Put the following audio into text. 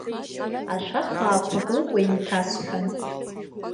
Ашәахаақәак лыкәа инҭасҳәан.